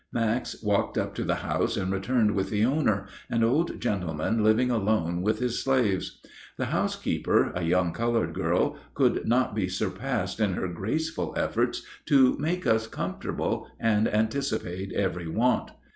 Max walked up to the house and returned with the owner, an old gentleman living alone with his slaves. The housekeeper, a young colored girl, could not be surpassed in her graceful efforts to make us comfortable and anticipate every want.